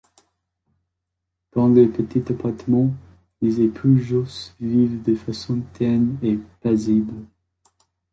Dans leur petit appartement, les époux Josse vivent de façon terne et paisible.